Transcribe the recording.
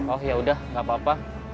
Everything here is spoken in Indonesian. oh yaudah gak apa apa